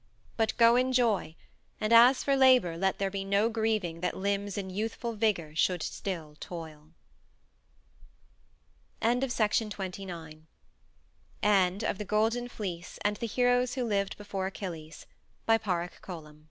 BUT GO IN JOY, AND AS FOR LABOR LET THERE BE NO GRIEVING THAT LIMBS IN YOUTHFUL VIGOR SHOULD STILL TOIL. End of the Project Gutenberg EBook of The Golden Fleece and the Heroes who Lived Before Achilles, by Padraic Colum